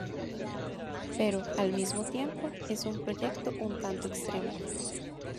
Pero, al mismo tiempo, es un proyecto un tanto extremo".